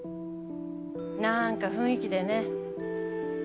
なんか雰囲気でね。